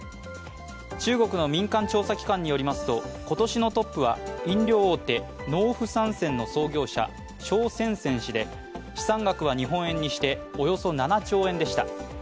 中国の民間調査期間によりますと今年のトップは飲料大手、農夫山泉の創業者、鍾せんせん氏で資産額は日本円にしておよそ７兆円でした。